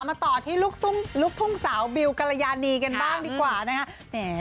มาต่อที่ลูกทุ่งสาวบิวกรยานีกันบ้างดีกว่านะคะ